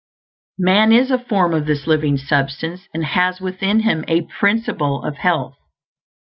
Man is a form of this Living Substance, and has within him a Principle of Health.